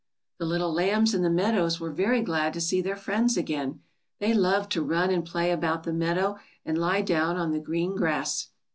The little lambs in the meadows were very glad to see their friends again. They loved to run and play about the meadow and lie down on the green grass.